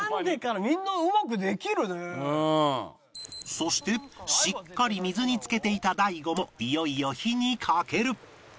そしてしっかり水に浸けていた大悟もいよいよ火にかける